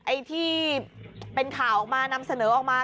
ไอ้ที่เป็นข่าวออกมานำเสนอออกมา